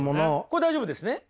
これ大丈夫ですね？